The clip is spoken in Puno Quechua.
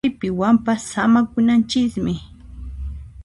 Chaypiwanpas samakunanchismi